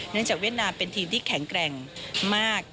จากเวียดนามเป็นทีมที่แข็งแกร่งมาก